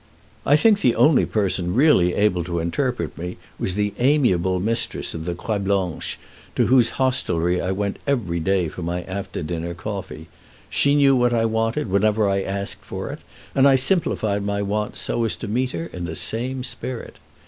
I think the only person really able to interpret me was the amiable mistress of the Croix Blanche, to whose hostelry I went every day for my after dinner coffee. She knew what I wanted whenever I asked for it, and I simplified my wants so as to meet her in the same spirit.